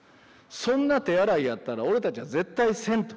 そんな手洗いやったら俺たちは絶対せんと。